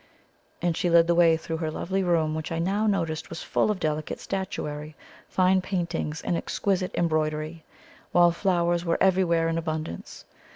And she led the way through her lovely room, which I now noticed was full of delicate statuary, fine paintings, and exquisite embroidery, while flowers were everywhere in abundance.